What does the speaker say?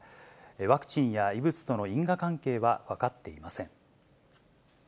ワクチンや異物との因果関係は分かっていません。